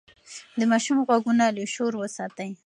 د ماشوم غوږونه له شور وساتئ.